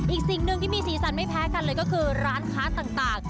อีกสิ่งหนึ่งที่มีสีสันไม่แพ้กันเลยก็คือร้านค้าต่าง